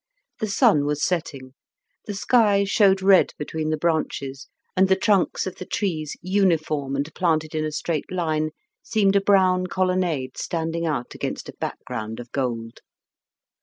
The sun was setting; the sky showed red between the branches, and the trunks of the trees, uniform, and planted in a straight line, seemed a brown colonnade standing out against a background of gold.